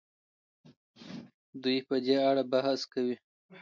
دوی په دې اړه بحث کوي.